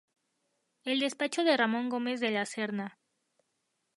El despacho de Ramón Gómez de la Serna.